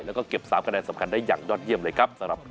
แล้วก็เก็บ๓คะแนนสำคัญได้อย่างยอดเยี่ยมเลยครับสำหรับ